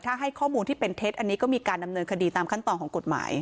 ถ้าให้ข้อมูลที่เป็นเท็จอันนี้ก็มีการดำเนินคดีตามขั้นตอนของกฎหมาย